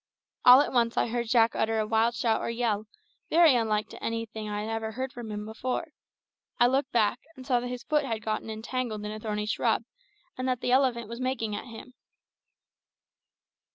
All at once I heard Jack utter a wild shout or yell, very unlike to anything I ever heard from him before. I looked back, and saw that his foot had got entangled in a thorny shrub, and that the elephant was making at him.